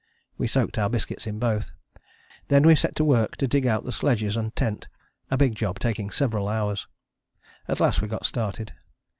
We soaked our biscuits in both. Then we set to work to dig out the sledges and tent, a big job taking several hours. At last we got started.